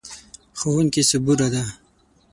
ښوونکې صبوره ده.